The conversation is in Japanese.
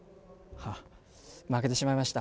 負けてしまいました。